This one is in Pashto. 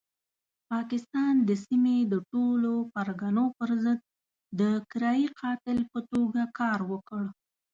پاکستان د سیمې د ټولو پرګنو پرضد د کرایي قاتل په توګه کار وکړ.